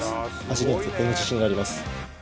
味には絶対の自信があります